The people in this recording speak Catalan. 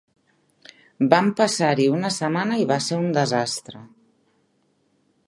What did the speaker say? Vam passar-hi una setmana i va ser un desastre.